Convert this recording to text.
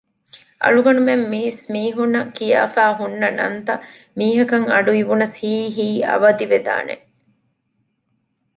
އަޅުގަނޑުމެން މީސްމީހުންނަށް ކިޔާފައި ހުންނަ ނަންތައް މީހަކަށް އަޑުއިވުނަސް ހީނހީނ އަވަދިވެދާނެ